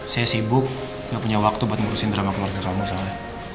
saya sibuk gak punya waktu buat ngurusin drama keluarga kamu soalnya